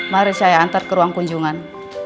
mari saya antar ke ruang kunjungan